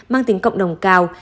mang tính cộng đồng cao